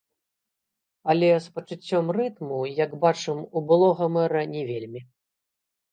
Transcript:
Але з пачуццём рытму, як бачым, у былога мэра не вельмі.